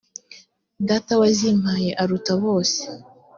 data wazimpaye aruta bose